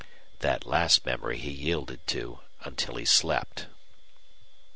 That last memory he yielded to until he slept.